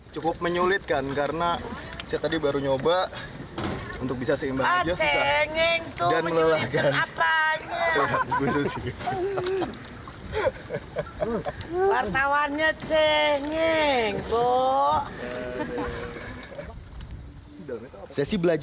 cukup menyulitkan karena saya tadi baru nyoba untuk bisa seimbang aja susah